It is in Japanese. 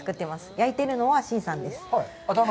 焼いているのは森さんです。